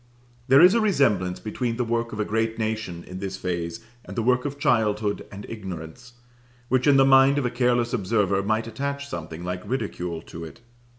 There is a resemblance between the work of a great nation, in this phase, and the work of childhood and ignorance, which, in the mind of a careless observer, might attach something like ridicule to it.